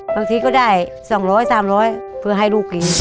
บางทีก็ได้๒๐๐๓๐๐เพื่อให้ลูกกิน